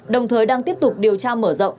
đồng thời đang tiếp tục điều tra mở rộng